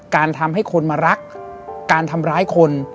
การทำให้คนมารักการทำร้ายคน